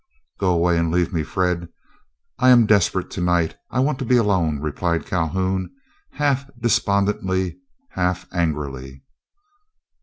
"Go away and leave me, Fred. I am desperate to night. I want to be alone," replied Calhoun, half despondently, half angrily.